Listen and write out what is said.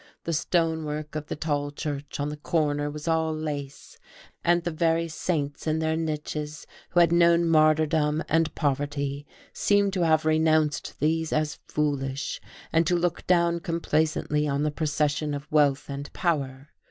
The stonework of the tall church on the corner was all lace; and the very saints in their niches, who had known martyrdom and poverty, seemed to have renounced these as foolish, and to look down complacently on the procession of wealth and power..